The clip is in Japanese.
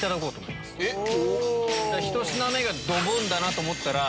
１品目がドボンだなと思ったら。